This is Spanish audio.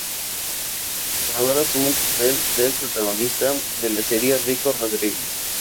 El jugador asume el papel del protagonista de la serie Rico Rodríguez.